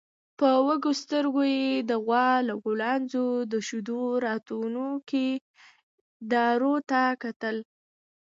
په وږو سترګويې د غوا له غولانځې د شيدو راوتونکو دارو ته کتل.